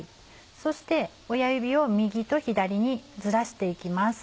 そして親指を右と左にずらして行きます。